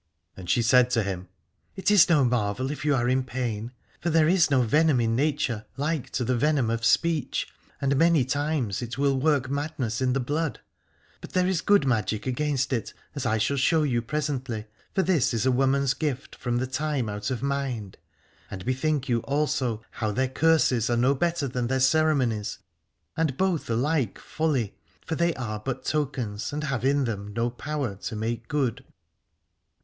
And she said to him : It is no marvel if you are in pain : for there is no venom in nature like to the venom of speech, and many times it will work madness in the blood. But there is good magic against it, as I shall show you presently, for this is a woman's gift from the time out of mind. And bethink you also how their curses are no better than their ceremonies, and both alike folly : for they are but tokens and have in them no power to make good.